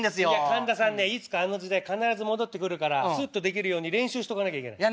神田さんねいつかあの時代必ず戻ってくるからすっとできるように練習しとかなきゃいけない。